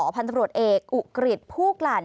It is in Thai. พันธุ์ตำรวจเอกอุกริฐภูกรรณ